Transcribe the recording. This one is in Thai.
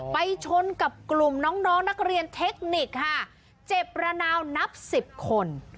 ไปชนกับกลุ่มน้องน้องนักเรียนเทคนิคค่ะเจ็บระนาวนับสิบคน